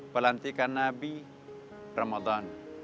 pelantikan nabi ramadan